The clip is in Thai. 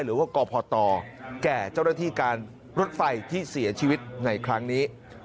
หรือว่ากพตแก่เจ้าหน้าที่การรถไฟที่เสียชีวิตในครั้งนี้